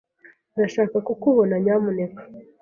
Ndashaka kukubona, nyamuneka.